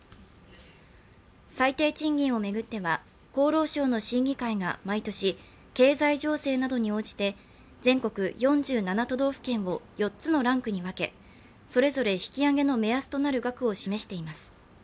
最低賃金を巡っては厚労省の審議会が毎年、経済情勢などに応じて全国４７都道府県を４つのランクに分けそれぞれ引き上げの目安となる額を示しています。